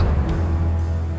kok berhenti mobilnya